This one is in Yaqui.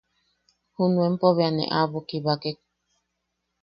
Junuenpo beja ne aʼabo kibakek.